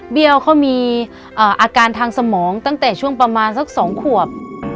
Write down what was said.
เขามีอาการทางสมองตั้งแต่ช่วงประมาณสัก๒ขวบ